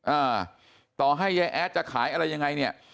อ่าต่อให้ยายแอดจะขายอะไรยังไงเนี่ย